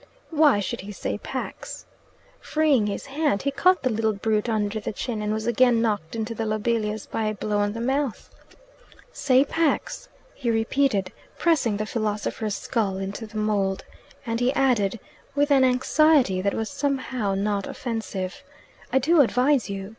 Why should he say Pax? Freeing his hand, he caught the little brute under the chin, and was again knocked into the lobelias by a blow on the mouth. "Say Pax!" he repeated, pressing the philosopher's skull into the mould; and he added, with an anxiety that was somehow not offensive, "I do advise you.